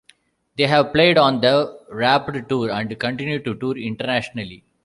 They have played on the Warped Tour and continue to tour internationally.